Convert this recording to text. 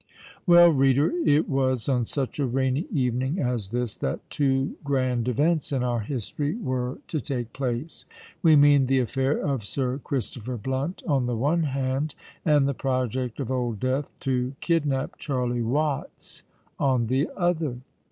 Well, reader, it was on such a rainy evening as this that two grand events in our history were to take place:—we mean the affair of Sir Christopher Blunt on the one hand, and the project of Old Death to kidnap Charley Watts on the other.